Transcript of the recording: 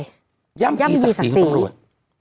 ย่ำยีศักดิ์ศรีของตำรวจ